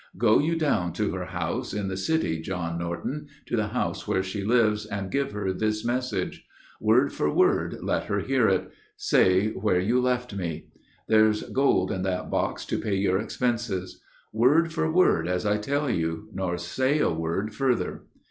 Go you down to her house, in the city, John Norton, To the house where she lives, and give her this message. Word for word let her hear it, say where you left me. There's gold in that box to pay your expenses. Word for word as I tell you, nor say a word further."